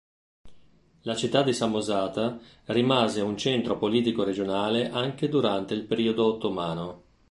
La città di Samosata rimase un centro politico regionale anche durante il periodo ottomano.